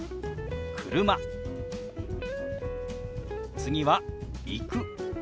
次は「行く」。